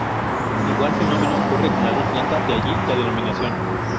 Igual fenómeno ocurre con la luz blanca, de allí la denominación.